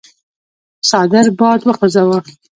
څادر باد وخوځاوه.